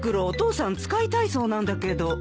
お父さん使いたいそうなんだけど。